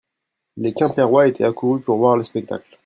Les Quimpérois étaient accourus pour voir le spectacle.